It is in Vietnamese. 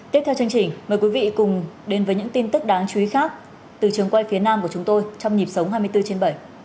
tiếp theo chương trình mời quý vị cùng đến với những tin tức đáng chú ý khác từ trường quay phía nam của chúng tôi trong nhịp sống hai mươi bốn trên bảy